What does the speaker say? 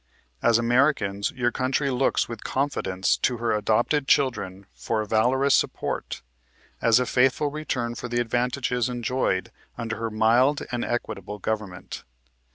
As Americans, your country looks with confidence to her adopted children for a valorous support, as a faithful return for the advantages enjoyed, under her mild and equitable government.